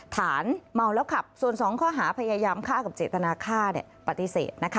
ฐานเมาแล้วกลับส่วนสองข้อหาเจ็ดตนาข้าและพยายามฆ่าปฏิเสธ